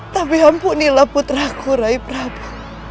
tapi ampunilah putraku rai prabu